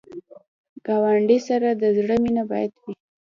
ګاونډي سره د زړه مینه باید وي